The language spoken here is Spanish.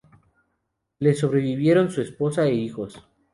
Le sobrevivieron su esposa e hijos.